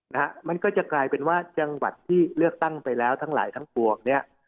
นะฮะมันก็จะกลายเป็นว่าจังหวัดที่เลือกตั้งไปแล้วทั้งหลายทั้งปวงเนี้ย